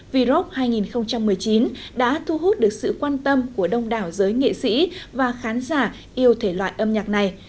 v rock hai nghìn một mươi chín đã thu hút được sự quan tâm của đông đảo giới nghệ sĩ và khán giả yêu thể loại âm nhạc này